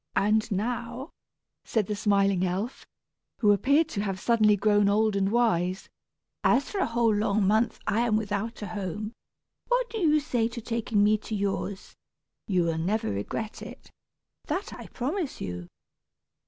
"And now," said the smiling elf, who appeared to have suddenly grown old and wise, "as for a whole long month I am without a home, what do you say to taking me to yours? You will never regret it, that I promise you."